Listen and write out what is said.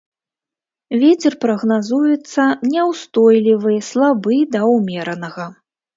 Вецер прагназуецца няўстойлівы, слабы да ўмеранага.